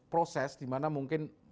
proses di mana mungkin